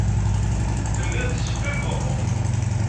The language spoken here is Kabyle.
Telliḍ tettseffiqeḍ.